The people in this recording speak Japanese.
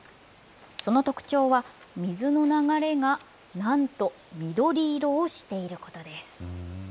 その特徴は、水の流れが、なんと緑色をしていることです。